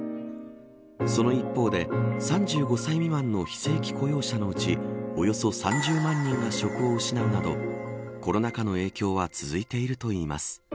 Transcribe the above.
その一方で３５歳未満の非正規雇用者のうちおよそ３０万人が職を失うなどコロナ禍の影響は続いているといいます。